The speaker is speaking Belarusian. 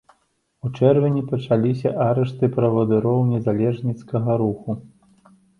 У чэрвені пачаліся арышты правадыроў незалежніцкага руху.